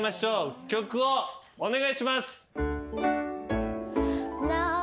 曲をお願いします。